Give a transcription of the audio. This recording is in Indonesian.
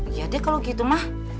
yaudah kalau gitu mak